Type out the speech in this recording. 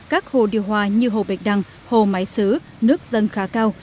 các hồ điều hòa như hồ bệch đăng hồ máy sứ nước dân khá cao